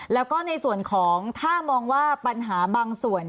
แล้วก็ในส่วนของถ้ามองว่าปัญหาบางส่วน